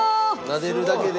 なでるだけで。